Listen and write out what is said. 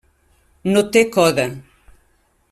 No té coda.